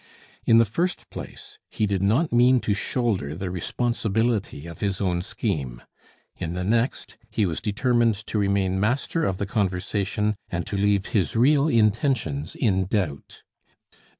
In the first place, he did not mean to shoulder the responsibility of his own scheme; in the next, he was determined to remain master of the conversation and to leave his real intentions in doubt.